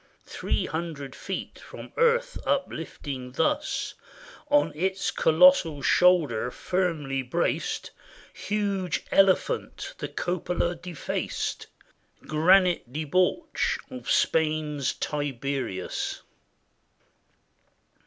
Three hundred feet from earth uplifting thus On its colossal shoulder firmly braced, Huge elephant, the cupola defaced. Granite debauch of Spain's Tiberius.